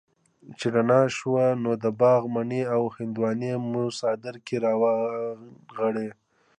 چې رڼا شوه نو د باغ مڼې او هندواڼې مو څادر کي را ونغاړلې